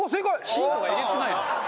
ヒントがえげつないな。